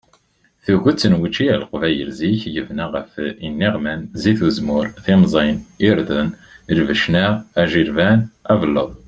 Tuget n wučči ar leqbayel zik yebna ɣef iniɣman, zit uzemmur, timẓin, irden, lbecna, ajilban, abelluḍ.